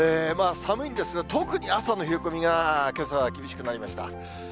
寒いんですが、特に朝の冷え込みがけさは厳しくなりました。